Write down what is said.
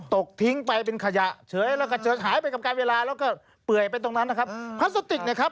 ตกทิ้งไปเป็นขยะเฉยหายไปกำกัดเวลาแล้วก็เปื่อยไปตรงนั้นนะครับ